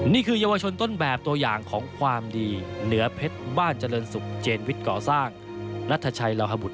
นี่คือเยาวชนต้นแบบตัวอย่างของความดีเหนือเพชรบ้านเจริญศุกร์เจนวิทย์ก่อสร้างนัทชัยลาฮบุตร